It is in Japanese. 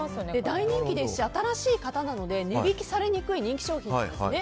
大人気ですし、新しい型なので値引きされにくい人気商品なんですね。